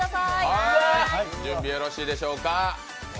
準備よろしいでしょうか。